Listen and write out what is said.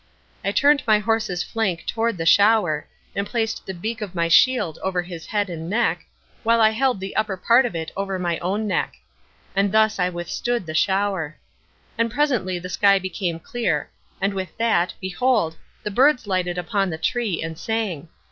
I turned my horse's flank toward the shower, and placed the beak of my shield over his head and neck, while I held the upper part of it over my own neck. And thus I withstood the shower. And presently the sky became clear, and with that, behold, the birds lighted upon the tree, and sang.